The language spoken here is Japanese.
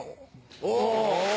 お。